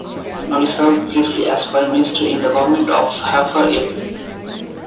Noli served briefly as foreign minister in the government of Xhafer Ypi.